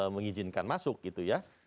mengizinkan masuk gitu ya